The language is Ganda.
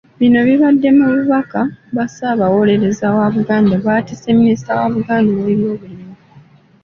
Bino bibadde mu bubaka bwa Ssaabawolereza wa Buganda bw'atisse Minisita wa Buganda ow'ebyobulimi.